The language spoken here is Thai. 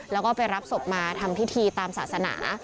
แล้วก็ไปรับศพมาทำพิธีตามศาสนา